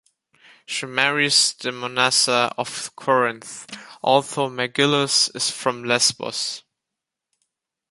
She marries Demonassa of Corinth, although Megillus is from Lesbos.